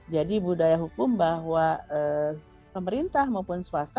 jadi budaya hukum bahwa pemerintah maupun swasta